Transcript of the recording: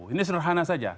ini sederhana saja